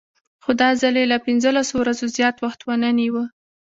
خو دا ځل یې له پنځلسو ورځو زیات وخت ونه نیوه.